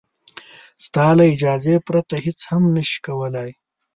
ستا له اجازې پرته هېڅ هم نه شي کولای.